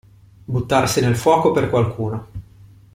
Buttarsi nel fuoco per qualcuno.